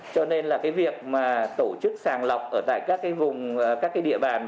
cho nên việc tổ chức sàng lọc ở các địa bàn